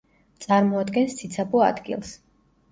წარმოადგენს ციცაბო ადგილს.